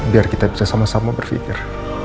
biar kita bisa sama sama berpikir